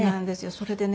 それでね